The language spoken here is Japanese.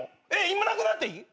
今なくなっていい？